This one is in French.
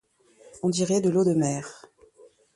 On dirait de l’eau de mer !